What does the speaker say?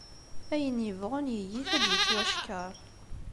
Ayen yebɣun yeg-it, ad d-yettwackeṛ.